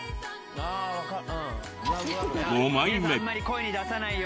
５枚目。